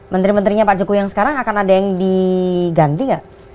dan menterinya pak jokowi yang sekarang akan ada yang diganti enggak